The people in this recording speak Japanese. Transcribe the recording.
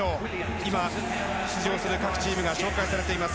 今、出場する各チームが紹介されています。